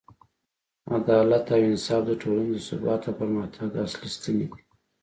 عدالت او انصاف د ټولنې د ثبات او پرمختګ اصلي ستنې دي.